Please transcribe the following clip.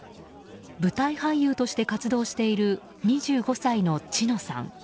舞台俳優として活動している２５歳の知乃さん。